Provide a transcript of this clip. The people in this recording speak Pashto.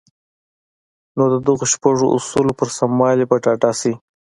نو د دغو شپږو اصلونو پر سموالي به ډاډه شئ.